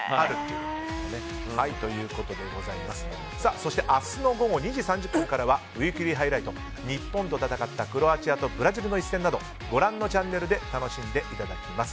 そして明日の午後２時３０分からはウィークリーハイライト日本と戦ったクロアチアとブラジルの一戦などご覧のチャンネルで楽しんでいただけます。